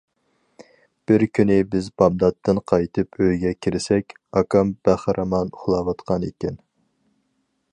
بىر كۈنى بىز بامداتتىن قايتىپ ئۆيگە كىرسەك، ئاكام بەخىرامان ئۇخلاۋاتقانىكەن.